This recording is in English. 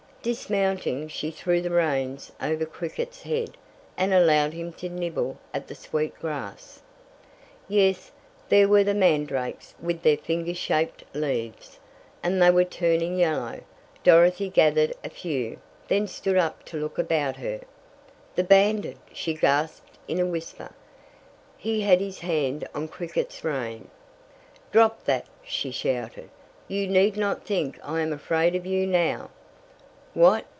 Dismounting, she threw the reins over Cricket's head and allowed him to nibble at the sweet grass. Yes, there were the mandrakes with their finger shaped leaves. And they were turning yellow. Dorothy gathered a few, then stood up to look about her. "The bandit!" she gasped in a whisper. He had his hand on Cricket's rein! "Drop that!" she shouted. "You need not think I am afraid of you now!" "What?"